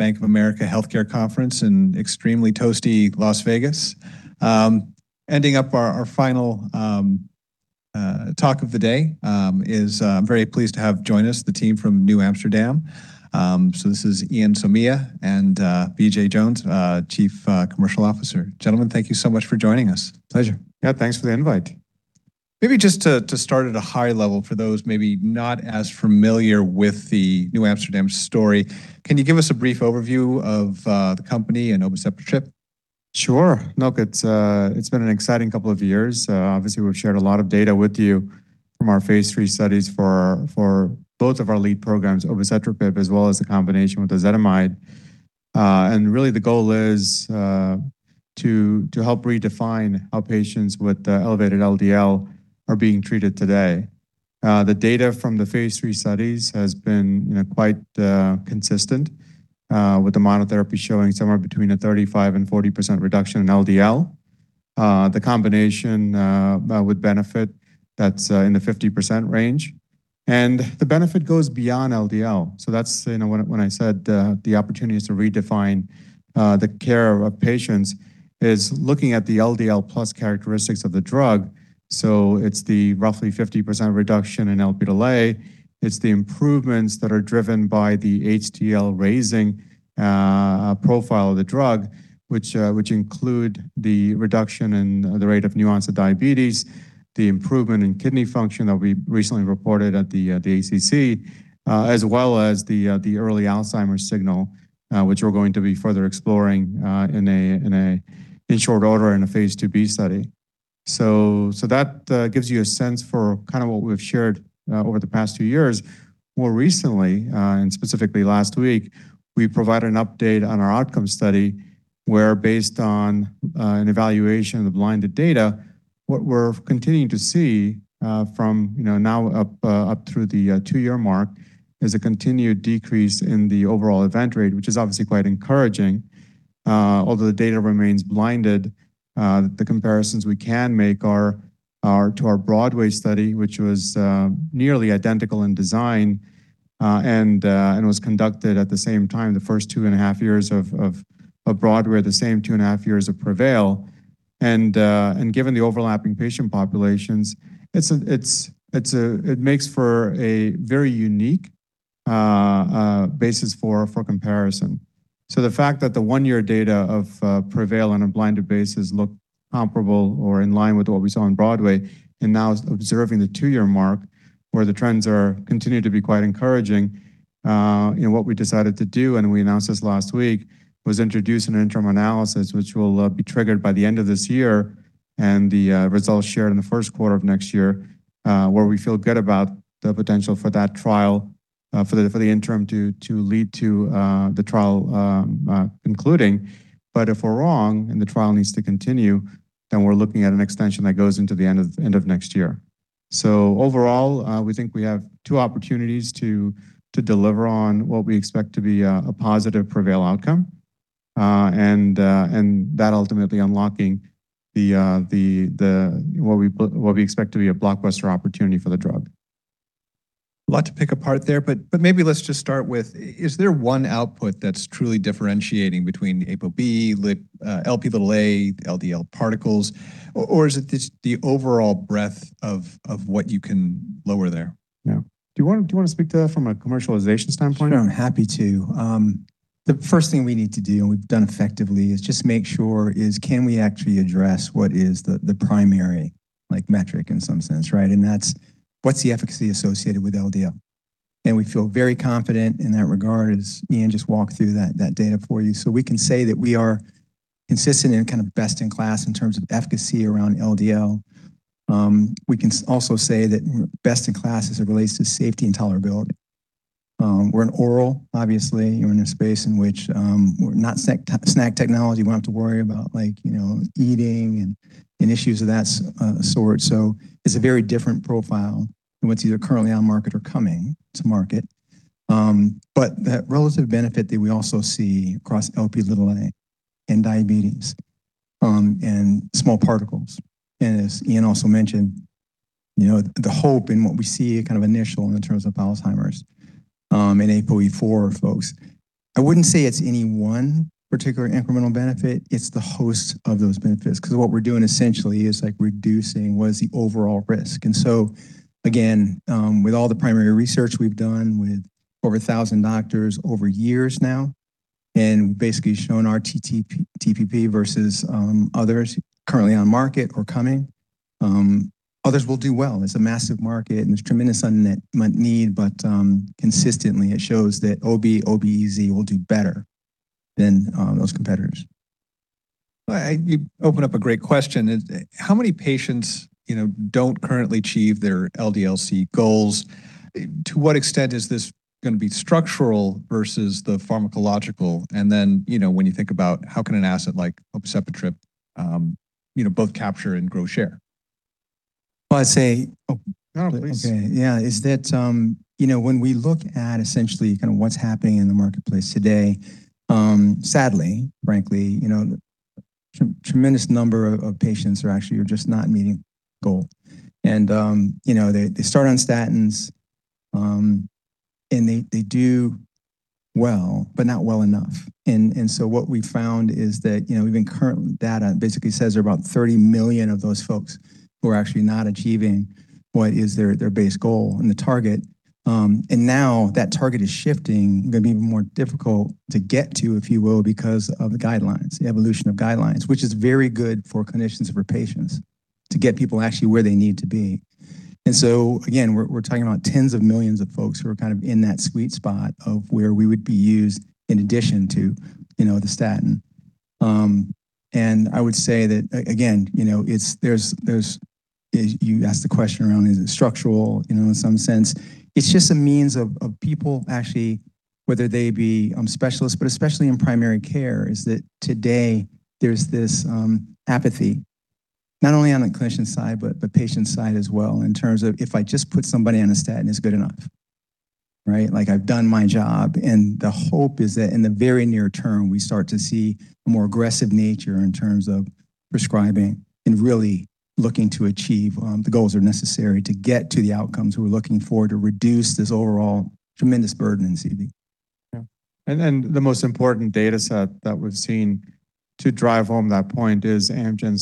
Bank of America Healthcare Conference in extremely toasty Las Vegas. Ending up our final talk of the day, is I'm very pleased to have join us the team from NewAmsterdam. So this is Ian Somaiya and BJ Jones, Chief Commercial Officer. Gentlemen, thank you so much for joining us. Pleasure. Yeah, thanks for the invite. Maybe just to start at a high level for those maybe not as familiar with the NewAmsterdam story, can you give us a brief overview of the company and obicetrapib? Sure. Look, it's been an exciting couple of years. Obviously, we've shared a lot of data with you from our phase III studies for both of our lead programs, obicetrapib, as well as the combination with ezetimibe. Really the goal is to help redefine how patients with elevated LDL are being treated today. The data from the phase III studies has been, you know, quite consistent with the monotherapy showing somewhere between a 35% and 40% reduction in LDL. The combination with benefit that's in the 50% range. The benefit goes beyond LDL. That's, you know, when I said, the opportunity is to redefine the care of patients, is looking at the LDL plus characteristics of the drug. It's the roughly 50% reduction in Lp(a), it's the improvements that are driven by the HDL raising profile of the drug, which include the reduction in the rate of new onset diabetes, the improvement in kidney function that we recently reported at the ACC, as well as the early Alzheimer's signal, which we're going to be further exploring in a short order in a phase II-B study. That gives you a sense for kind of what we've shared over the past two years. More recently, and specifically last week, we provided an update on our outcome study, where based on an evaluation of the blinded data, what we're continuing to see, from, you know, now up up through the two-year mark, is a continued decrease in the overall event rate, which is obviously quite encouraging. Although the data remains blinded, the comparisons we can make are to our BROADWAY study, which was nearly identical in design, and was conducted at the same time, the first two and a half years of BROADWAY are the same two and a half years of PREVAIL. Given the overlapping patient populations, it's a It makes for a very unique basis for comparison. The fact that the one-year data of PREVAIL on a blinded basis look comparable or in line with what we saw on BROADWAY, and now observing the two-year mark, where the trends are continuing to be quite encouraging, you know, what we decided to do, and we announced this last week, was introduce an interim analysis, which will be triggered by the end of this year, and the results shared in the first quarter of next year, where we feel good about the potential for that trial, for the interim to lead to the trial concluding. If we're wrong and the trial needs to continue, then we're looking at an extension that goes into the end of next year. Overall, we think we have two opportunities to deliver on what we expect to be a positive Prevail outcome. And that ultimately unlocking the what we expect to be a blockbuster opportunity for the drug. A lot to pick apart there, but maybe let's just start with is there one output that's truly differentiating between ApoB, Lp(a), LDL particles, or is it just the overall breadth of what you can lower there? Yeah. Do you wanna speak to that from a commercialization standpoint? Sure, happy to. The first thing we need to do, and we've done effectively, is just make sure is, can we actually address what is the primary, like, metric in some sense, right? That's what's the efficacy associated with LDL. We feel very confident in that regard, as Ian just walked through that data for you. We can say that we are consistent and kind of best in class in terms of efficacy around LDL. We can also say that best in class as it relates to safety and tolerability. We're an oral, obviously. We're in a space in which we're not SNAC technology. We don't have to worry about, like, you know, eating and issues of that sort. It's a very different profile than what's either currently on market or coming to market. That relative benefit that we also see across Lp(a) and diabetes, and small particles. As Ian also mentioned, you know, the hope in what we see kind of initial in terms of Alzheimer's, in ApoE4 folks, I wouldn't say it's any one particular incremental benefit. It's the host of those benefits, 'cause what we're doing essentially is, like, reducing what is the overall risk. Again, with all the primary research we've done with over a thousand doctors over years now, basically shown our TPP versus others currently on market or coming, others will do well. It's a massive market, there's tremendous unmet need, consistently it shows that OBEZ will do better than those competitors. Well, you open up a great question. How many patients, you know, don't currently achieve their LDL-C goals? To what extent is this gonna be structural versus the pharmacological? Then, you know, when you think about how can an asset like obicetrapib, you know, both capture and grow share? Well, I'd. No, please. Okay, yeah, is that, you know, when we look at essentially kind of what's happening in the marketplace today, sadly, frankly, you know. A tremendous number of patients are actually just not meeting goal. You know, they start on statins, and they do well, but not well enough. What we found is that, you know, even current data basically says there are about 30 million of those folks who are actually not achieving what is their base goal and the target. Now that target is shifting, gonna be more difficult to get to, if you will, because of the guidelines, the evolution of guidelines, which is very good for clinicians, for patients to get people actually where they need to be. Again, we're talking about tens of millions of folks who are kind of in that sweet spot of where we would be used in addition to, you know, the statin. I would say that again, you know, it's there's, You asked the question around is it structural? You know, in some sense, it's just a means of people actually, whether they be specialists, but especially in primary care, is that today there's this apathy not only on the clinician side, but the patient side as well in terms of if I just put somebody on a statin is good enough, right? Like I've done my job. The hope is that in the very near term, we start to see a more aggressive nature in terms of prescribing and really looking to achieve the goals that are necessary to get to the outcomes we're looking for to reduce this overall tremendous burden in CV. Yeah. The most important data set that we've seen to drive home that point is Amgen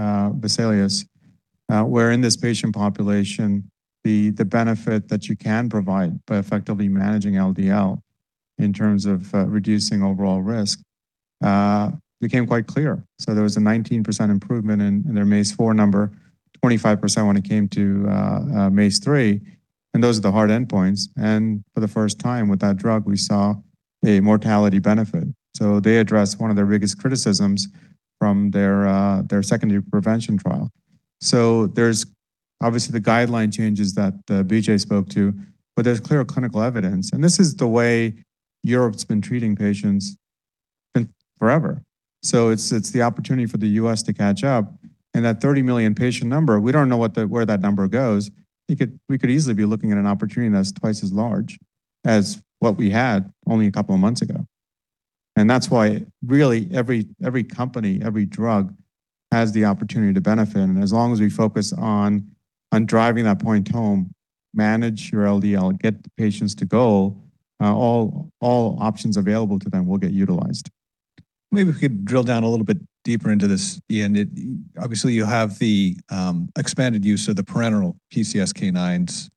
study, VESALIUS-CV, where in this patient population, the benefit that you can provide by effectively managing LDL in terms of reducing overall risk, became quite clear. There was a 19% improvement in their MACE 4 number, 25% when it came to MACE 3, and those are the hard endpoints. For the first time with that drug, we saw a mortality benefit. They addressed one of their biggest criticisms from their secondary prevention trial. There's obviously the guideline changes that BJ spoke to, but there's clear clinical evidence, and this is the way Europe's been treating patients been forever. It's the opportunity for the U.S. to catch up and that 30 million patient number, we don't know where that number goes. We could easily be looking at an opportunity that's twice as large as what we had only a couple of months ago. That's why really every company, every drug has the opportunity to benefit. As long as we focus on driving that point home, manage your LDL, get the patients to goal, all options available to them will get utilized. Maybe we could drill down a little bit deeper into this, Ian. Obviously you have the expanded use of the parenteral PCSK9s,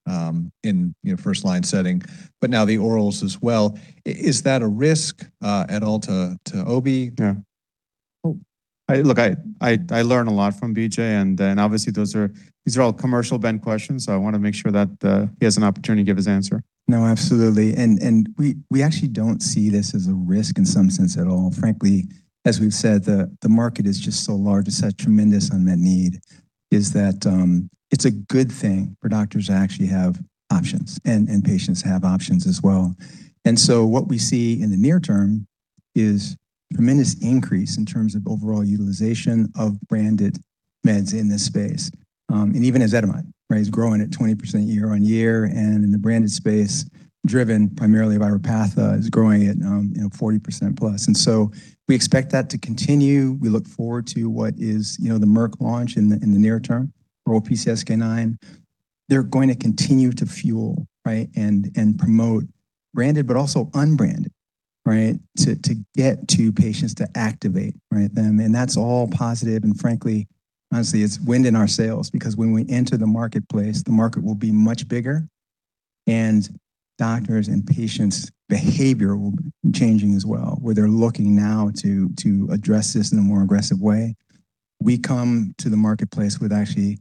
in, you know, first line setting, but now the orals as well. Is that a risk at all to obi? Yeah. Well, I learn a lot from BJ. Obviously those are, these are all commercial bent questions. I wanna make sure that he has an opportunity to give his answer. No, absolutely. We actually don't see this as a risk in some sense at all. Frankly, as we've said, the market is just so large, it's such tremendous unmet need, is that it's a good thing for doctors to actually have options and patients have options as well. What we see in the near term is tremendous increase in terms of overall utilization of branded meds in this space. Even ezetimibe, right? It's growing at 20% year-on-year, and in the branded space, driven primarily by Repatha, is growing at, you know, 40%+. We expect that to continue. We look forward to what is, you know, the Merck launch in the near term, oral PCSK9. They're going to continue to fuel, right? Promote branded, but also unbranded, right? To get to patients to activate, right? That's all positive and frankly, honestly, it's wind in our sails because when we enter the marketplace, the market will be much bigger and doctors' and patients' behavior will be changing as well, where they're looking now to address this in a more aggressive way. We come to the marketplace with actually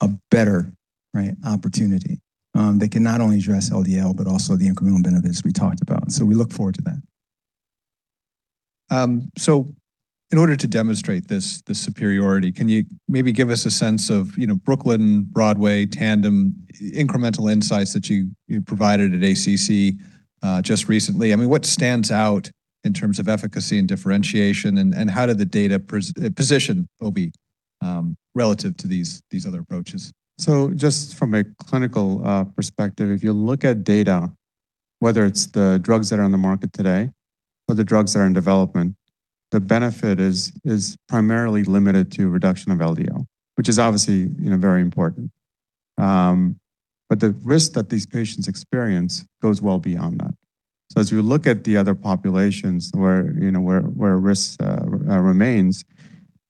a better, right, opportunity that can not only address LDL, but also the incremental benefits we talked about. We look forward to that. In order to demonstrate this superiority, can you maybe give us a sense of, you know, BROOKLYN, BROADWAY, TANDEM, incremental insights that you provided at ACC just recently? I mean, what stands out in terms of efficacy and differentiation and how did the data position obi relative to these other approaches? Just from a clinical perspective, if you look at data, whether it's the drugs that are on the market today or the drugs that are in development, the benefit is primarily limited to reduction of LDL, which is obviously, you know, very important. The risk that these patients experience goes well beyond that. As you look at the other populations where, you know, where risk remains,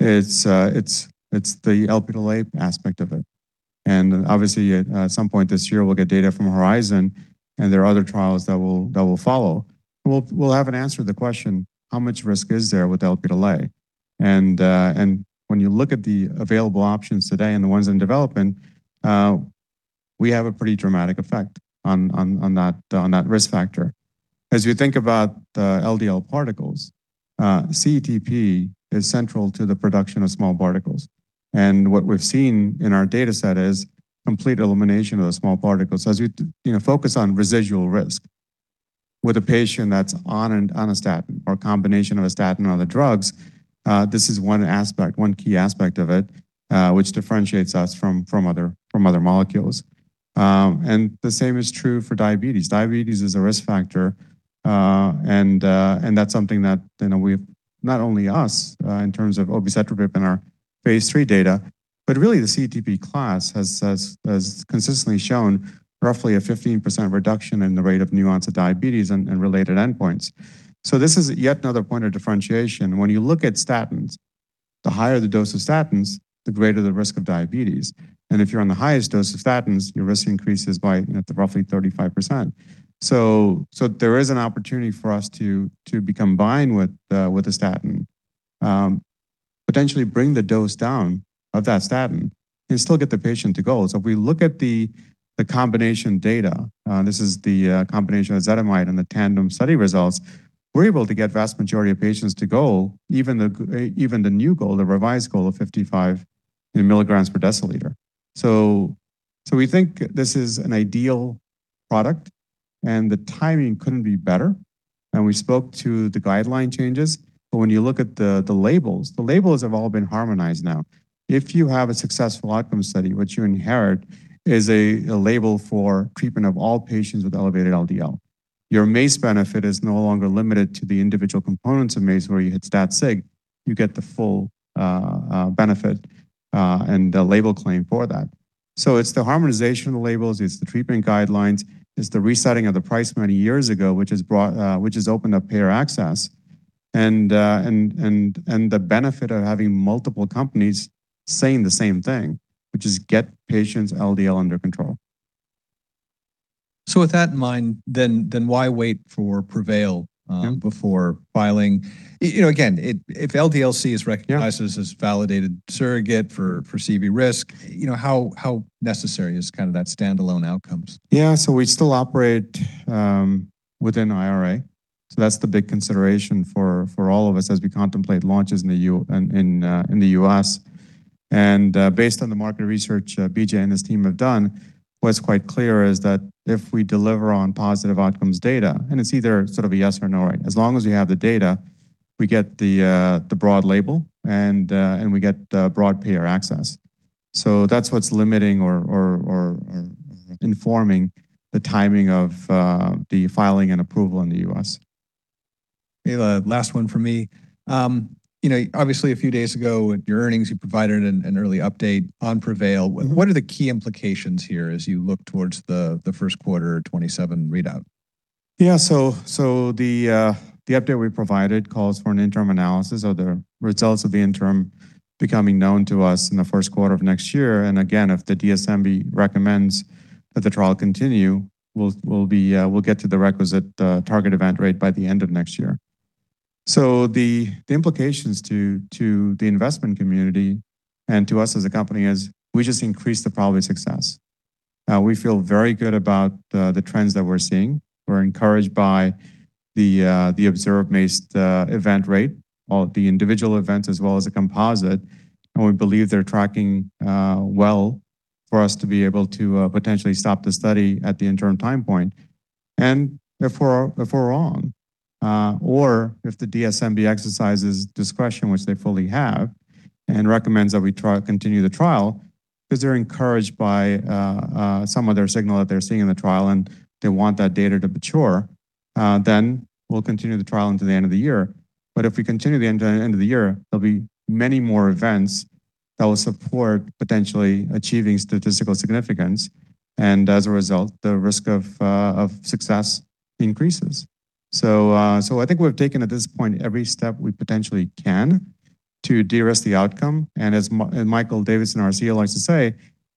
it's the Lp(a) aspect of it. Obviously at some point this year, we'll get data from HORIZON, and there are other trials that will follow. We'll have an answer to the question, how much risk is there with Lp(a)? When you look at the available options today and the ones in development, we have a pretty dramatic effect on that risk factor. As you think about the LDL particles, CETP is central to the production of small particles. What we've seen in our data set is complete elimination of the small particles. As you know, focus on residual risk with a patient that's on a statin or a combination of a statin or other drugs, this is one aspect, one key aspect of it, which differentiates us from other molecules. The same is true for diabetes. Diabetes is a risk factor, and that's something that, you know, we've not only us, in terms of obicetrapib in our phase III data, but really the CETP class has consistently shown roughly a 15% reduction in the rate of new onset diabetes and related endpoints. This is yet another point of differentiation. When you look at statins, the higher the dose of statins, the greater the risk of diabetes. If you're on the highest dose of statins, your risk increases by roughly 35%. There is an opportunity for us to combine with a statin, potentially bring the dose down of that statin and still get the patient to goal. If we look at the combination data, this is the combination of ezetimibe and the TANDEM study results, we're able to get vast majority of patients to goal, even the new goal, the revised goal of 55 mg per deciliter. We think this is an ideal product, and the timing couldn't be better, and we spoke to the guideline changes. When you look at the labels, the labels have all been harmonized now. If you have a successful outcome study, what you inherit is a label for treatment of all patients with elevated LDL. Your MACE benefit is no longer limited to the individual components of MACE, where you hit stat sig, you get the full benefit and the label claim for that. It's the harmonization of labels, it's the treatment guidelines, it's the resetting of the price many years ago, which has brought, which has opened up payer access, and the benefit of having multiple companies saying the same thing, which is get patients' LDL under control. With that in mind, why wait for PREVAIL? Yeah before filing? You know, again, if LDL-C is recognized. Yeah as validated surrogate for CV risk, you know, how necessary is kind of that standalone outcomes? Yeah. We still operate within IRA. That's the big consideration for all of us as we contemplate launches in the U.S. Based on the market research BJ and his team have done, what's quite clear is that if we deliver on positive outcomes data, and it's either sort of a yes or no, right? As long as we have the data, we get the broad label and we get the broad payer access. That's what's limiting or informing the timing of the filing and approval in the U.S. Okay. Last one from me. you know, obviously, a few days ago with your earnings, you provided an early update on PREVAIL. What are the key implications here as you look towards the first quarter 2027 readout? Yeah. The update we provided calls for an interim analysis of the results of the interim becoming known to us in the first quarter of next year. Again, if the DSMB recommends that the trial continue, we'll be, we'll get to the requisite target event rate by the end of next year. The implications to the investment community and to us as a company is we just increased the probability of success. We feel very good about the trends that we're seeing. We're encouraged by the observed MACE event rate or the individual events as well as the composite, and we believe they're tracking well for us to be able to potentially stop the study at the interim time point. If we're, if we're wrong, or if the DSMB exercises discretion, which they fully have, and recommends that we continue the trial 'cause they're encouraged by some other signal that they're seeing in the trial and they want that data to mature, we'll continue the trial into the end of the year. If we continue to the end of the year, there'll be many more events that will support potentially achieving statistical significance, and as a result, the risk of success increases. I think we've taken at this point every step we potentially can to de-risk the outcome, and as Michael Davidson, our CEO, likes to say,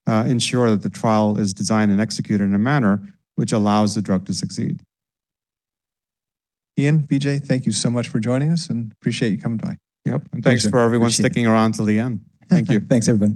ensure that the trial is designed and executed in a manner which allows the drug to succeed. Ian, BJ, thank you so much for joining us and appreciate you coming by. Yep. And thanks for- Thanks for everyone sticking around till the end. Thank you. Thanks, everyone.